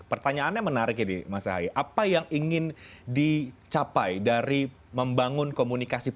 pertanyaannya menarik ini mas ahaye apa yang ingin dicapai dari membangun komunikasi politik